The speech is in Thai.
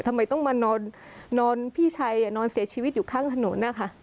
ทำไมต้องมานอนพี่ชัยนอนเสียชีวิตอยู่ข้างถนนนะคะ